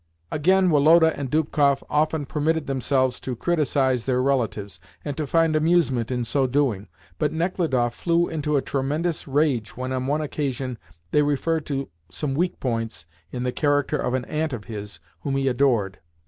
Again, Woloda and Dubkoff often permitted themselves to criticise their relatives, and to find amusement in so doing, but Nechludoff flew into a tremendous rage when on one occasion they referred to some weak points in the character of an aunt of his whom he adored.